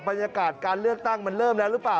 บรรยากาศการเลือกตั้งมันเริ่มแล้วหรือเปล่า